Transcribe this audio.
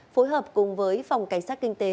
phối hợp cùng với phòng cảnh sát kinh tế